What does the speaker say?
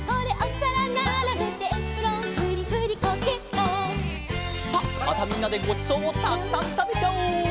さあまたみんなでごちそうをたくさんたべちゃおう！